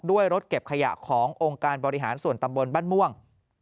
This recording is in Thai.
รถเก็บขยะขององค์การบริหารส่วนตำบลบ้านม่วง